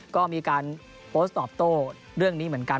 ก็มีการโพสต์ตอบโต้เรื่องนี้เหมือนกัน